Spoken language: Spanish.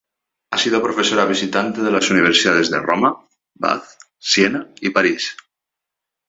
Ha sido profesora visitante de las Universidades de Roma, Bath, Siena y París.